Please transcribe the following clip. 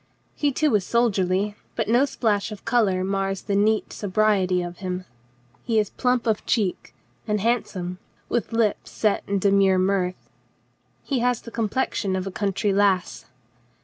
He too is soldierly, but no splash of color mars the neat so briety of him. He is plump of cheek and handsome, with lips set in demure mirth. He has the com plexion of a country lass.